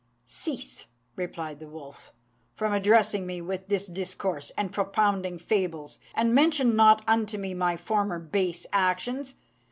"Cease," replied the wolf, "from addressing me with this discourse, and propounding fables, and mention not unto me my former base actions.